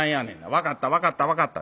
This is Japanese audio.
分かった分かった分かった。